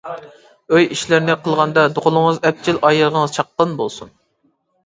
ئۆي ئىشلىرىنى قىلغاندا قولىڭىز ئەپچىل، ئايىغىڭىز چاققان بولسۇن.